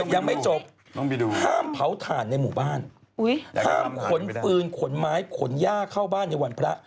ยังไม่จบห้ามเผาถ่านในหมู่บ้านห้ามขนปืนขนไม้ขนย่าเข้าบ้านในวันพระ